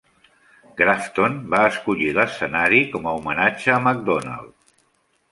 Grafton va escollir l'escenari com a homenatge a Macdonald.